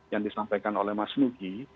yang disampaikan oleh mas nugi